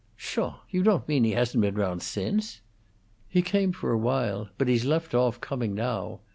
"Pshaw! You don't mean he hasn't been round since?" "He came for a while, but he's left off coming now.